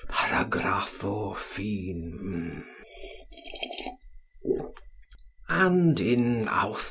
paragrapho. fin. and in Auth.